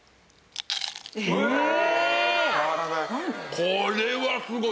これはすごい！